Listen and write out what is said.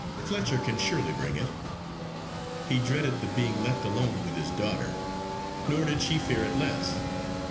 "Fletcher can surely bring it." He dreaded the being left alone with his daughter nor did she fear it less.